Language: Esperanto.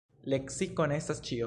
Leksiko ne estas ĉio.